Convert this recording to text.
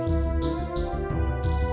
tidak bisa diandalkan